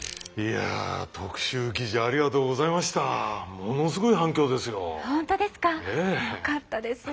ものすごい反響ですよ。